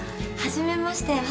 初めまして。